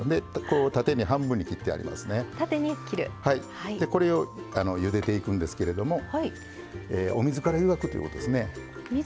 縦に半分に切ってあってそれをゆでていくんですけどお水から湯がくということですね。